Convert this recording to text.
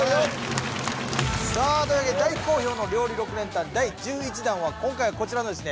さあというわけで大好評の料理６連単第１１弾は今回はこちらのですね